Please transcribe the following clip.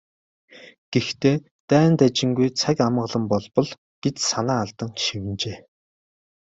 "Гэхдээ дайн дажингүй, цаг амгалан болбол" гэж санаа алдан шивнэжээ.